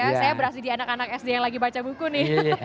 saya berhasil di anak anak sd yang lagi baca buku nih